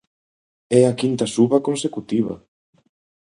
É a quinta suba consecutiva.